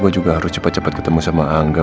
gue juga harus cepet cepet ketemu sama angga